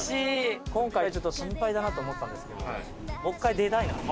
今回ちょっと心配だなと思ってたんですけどもう１回出たいなと。